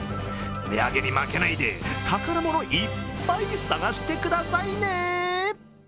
値上げに負けないで宝物、いっぱい探してくださいね。